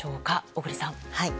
小栗さん。